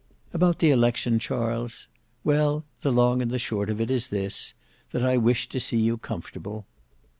"About the election, Charles. Well, the long and short of it is this: that I wish to see you comfortable.